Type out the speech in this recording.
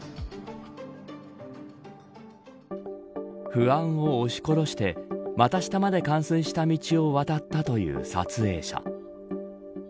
不安を押し殺してまた下まで冠水した道を渡ったという撮影者。